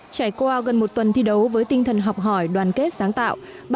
trải qua gần một tuần thi đấu với tinh thần học hỏi đoàn kết sáng tạo